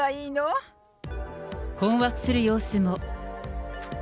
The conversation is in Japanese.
困惑する様子も。